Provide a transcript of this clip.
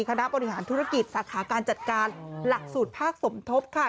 คณะบริหารธุรกิจสาขาการจัดการหลักสูตรภาคสมทบค่ะ